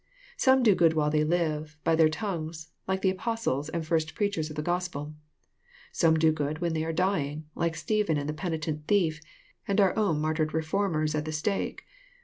Some do good while they live, by their tongues ; like the Apostles and first preachers of the Gos pel. Some do good when they are dying ; like Stephen and the penitent thief, and our own martyred B.eformers at the stake.